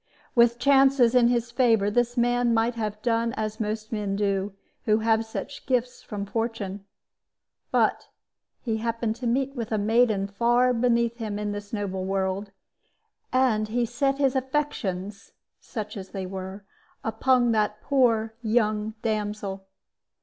With chances in his favor, this man might have done as most men do who have such gifts from fortune. But he happened to meet with a maiden far beneath him in this noble world, and he set his affections such as they were upon that poor young damsel.